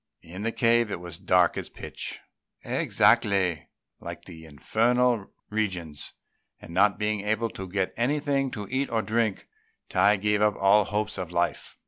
In the cave it was as dark as pitch, exactly like the Infernal Regions; and not being able to get anything to eat or drink, Tai gave up all hopes of life.